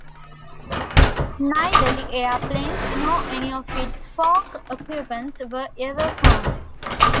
Neither the airplane nor any of its four occupants were ever found.